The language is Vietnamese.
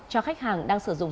cho khách hàng đang sử dụng